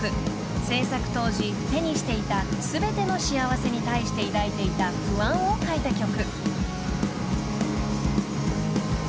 ［制作当時手にしていた全ての幸せに対して抱いていた不安を書いた曲］